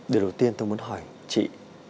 điều đầu tiên tôi muốn hỏi chị